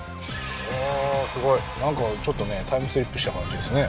ああーすごいなんかちょっとねタイムスリップした感じですね